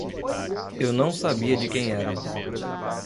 Eu não sabia de quem era.